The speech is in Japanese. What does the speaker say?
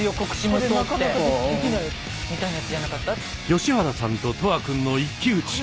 吉原さんと大志君の一騎打ち！